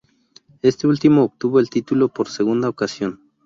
Este último obtuvo el título por segunda ocasión.